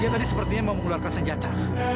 dia tadi sepertinya mengeluarkan senjata